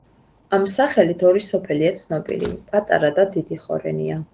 ამ სახელით ორი სოფელია ცნობილი: პატარა და დიდი ხორენია.